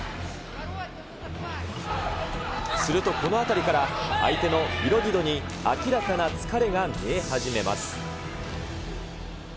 すると、このあたりから相手のビロディドに明らかな疲れが見え始めます。